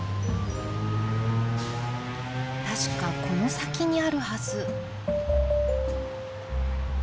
確かこの先にあるはず。